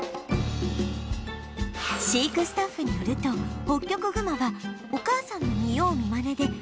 飼育スタッフによるとホッキョクグマはお母さんの見よう見まねで赤ちゃんでも本能で泳ぐ